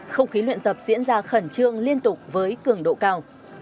không khí luyện tập diễn ra khẩn trương liên tục với cường độ cao